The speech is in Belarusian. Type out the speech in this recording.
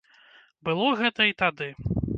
Было гэта і тады.